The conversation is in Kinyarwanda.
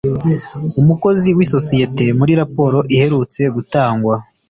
umukozi w’isosiyete muri raporo iherutse gutangwa